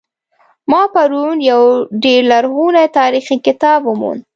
ما پرون یو ډیر لرغنۍتاریخي کتاب وموند